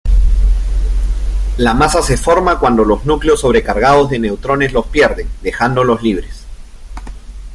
La masa se forma cuando los núcleos sobrecargados de neutrones los pierden, dejándolos libres.